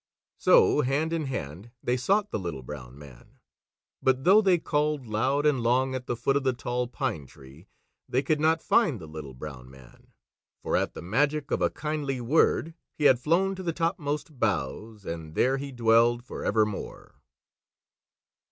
So hand in hand they sought the Little Brown Man, but though they called loud and long at the foot of the Tall Pine Tree, they could not find the Little Brown Man. For at the magic of a kindly word, he had flown to the topmost boughs, and there he dwelled for evermore.